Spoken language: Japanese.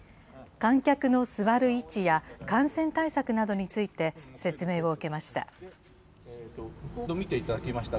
観客の座る位置や感染対策などについて、説明を受けました。